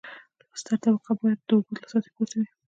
د بستر طبقه باید د اوبو له سطحې پورته وي